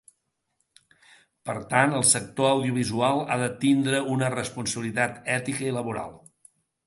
Per tant, el sector audiovisual ha de tindre una responsabilitat ètica i laboral.